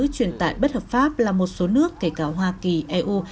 truyền tại bất hợp pháp là một số nước kể cả hoa kỳ eu